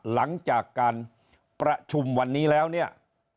หลังจากการประชุมวันนี้แล้วเนี่ย